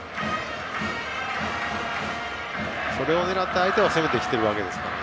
それを狙って、相手は攻めてきているわけですから。